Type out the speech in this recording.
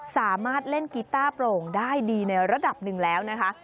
สามารถเล่นกีต้าโปร่งได้ดีในระดับหนึ่งแล้วนะคะ